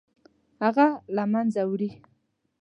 هغه له منځه وړي.